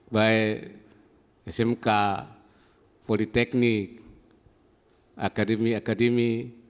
baik smk politeknik akademi akademi